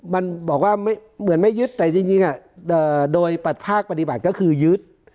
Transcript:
มันบอกว่าเหมือนไม่ยึดแต่จริงโดยภาคปฏิบัติก็คือยึด